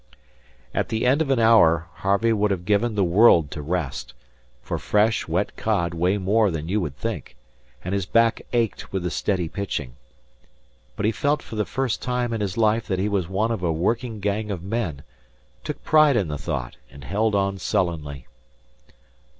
At the end of an hour Harvey would have given the world to rest; for fresh, wet cod weigh more than you would think, and his back ached with the steady pitching. But he felt for the first time in his life that he was one of the working gang of men, took pride in the thought, and held on sullenly.